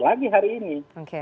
lagi hari ini